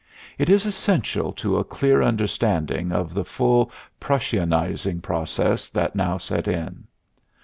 It is essential to a clear understanding of the full Prussianizing process that now set in.